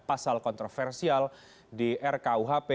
pasal kontroversial di rkuhp